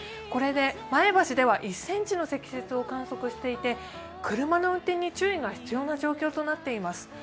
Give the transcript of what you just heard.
これで、前橋では１ｃｍの積雪を観測していて車の運転に注意が必要な状況となっています。